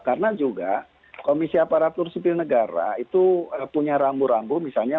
karena juga komisi aparatur supri negara itu punya rambu rambu misalnya